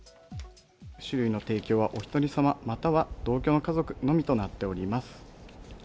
酒類の提供はおひとりさま、または同居の家族のみとなっております。